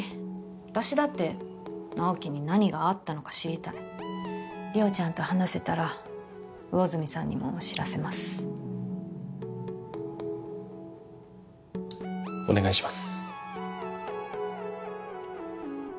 私だって直木に何があったのか知りたい莉桜ちゃんと話せたら魚住さんにも知らせますお願いします